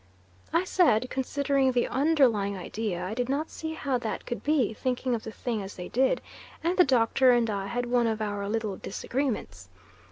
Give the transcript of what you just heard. I said, considering the underlying idea, I did not see how that could be, thinking of the thing as they did, and the Doctor and I had one of our little disagreements.